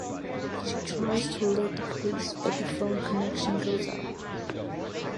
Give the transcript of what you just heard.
She tries to alert the police, but the phone connection goes out.